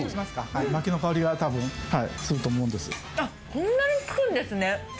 こんなに効くんですね。